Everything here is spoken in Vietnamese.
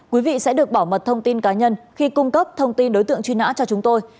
quý vị sẽ được bảo mật thông tin cá nhân khi cung cấp thông tin đối tượng truy nã cho chúng tôi